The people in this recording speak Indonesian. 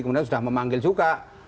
kemudian sudah memanggil juga